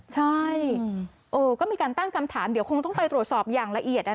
ใช่ก็มีการตั้งคำถามเดี๋ยวคงต้องไปตรวจสอบอย่างละเอียด